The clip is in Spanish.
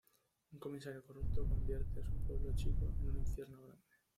Un comisario corrupto convierte a su pueblo chico en un infierno grande.